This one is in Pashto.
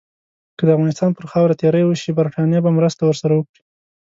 که د افغانستان پر خاوره تیری وشي، برټانیه به مرسته ورسره وکړي.